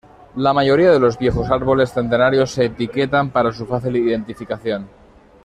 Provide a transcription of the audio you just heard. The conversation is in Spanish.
La mayoría de los viejos árboles centenarios se etiquetan para su fácil identificación.